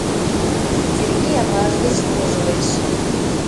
Сергей аваж деч вожылеш.